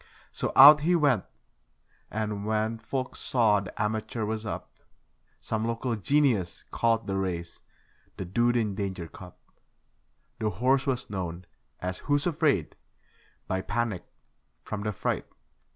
So out he went; and, when folk saw the amateur was up, Some local genius called the race 'the dude in danger cup'. The horse was known as 'Who's Afraid', by Panic from 'The Fright'.